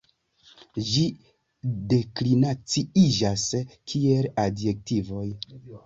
Ĝi deklinaciiĝas kiel adjektivoj.